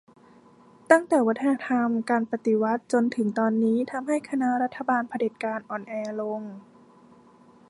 ตั้งแต่วัฒนธรรมการปฎิวัติจนถึงตอนนี้ทำให้คณะรัฐบาลเผด็จการอ่อนแอลง